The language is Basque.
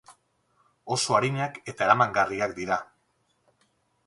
Oso arinak eta eramangarriak dira.